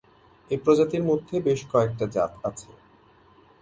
এই প্রজাতির মধ্যে বেশ কয়েকটা জাত আছে।